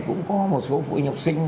cũng có một số phụ huynh học sinh